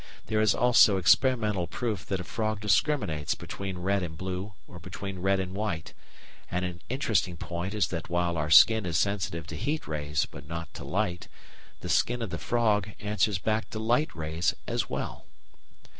There is also experimental proof that a frog discriminates between red and blue, or between red and white, and an interesting point is that while our skin is sensitive to heat rays but not to light, the skin of the frog answers back to light rays as well.